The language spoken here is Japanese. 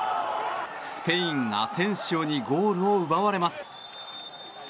スペイン、アセンシオにゴールを奪われます。